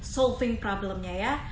solving problemnya ya